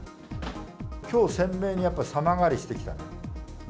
きょう鮮明にやっぱり様変わりしてきたね。